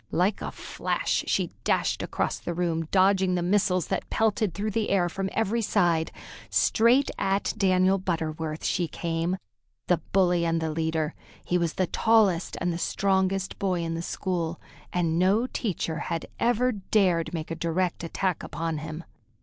Like a flash she dashed across the room, dodging the missiles that pelted through the air from every side. Straight at Daniel Butterworth she came, the bully and the leader. He was the tallest and strongest boy in the school, and no teacher had ever dared make a direct attack upon him.